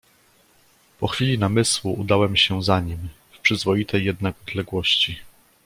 "Po chwili namysłu udałem się za nim, w przyzwoitej jednak odległości."